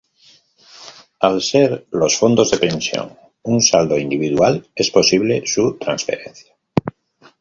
Al ser los fondos de pensión un saldo individual, es posible su transferencia.